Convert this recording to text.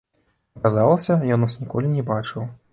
Аказалася, ён нас ніколі не бачыў.